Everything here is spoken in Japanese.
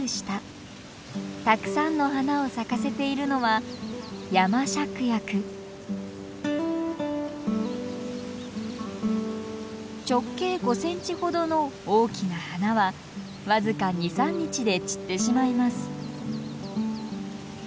たくさんの花を咲かせているのは直径５センチほどの大きな花は僅か２３日で散ってしまいます。